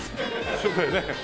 そうだよね。